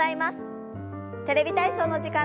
「テレビ体操」の時間です。